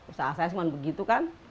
usaha saya cuma begitu kan